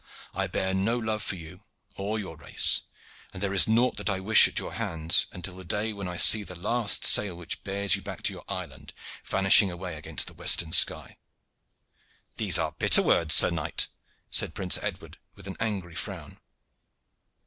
"I bear no love for you or for your race, and there is nought that I wish at your hands until the day when I see the last sail which bears you back to your island vanishing away against the western sky." "These are bitter words, sir knight," said Prince Edward, with an angry frown.